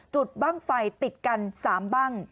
จุดบั้งไฟติดกัน๓บั้ง